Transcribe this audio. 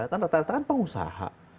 tentu datang datang pengusaha